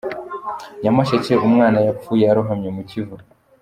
Nyamasheke Umwana yapfuye arohamye mu Kivu